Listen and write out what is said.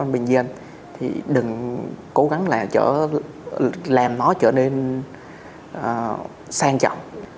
bình dân thì đừng cố gắng làm nó trở nên sang trọng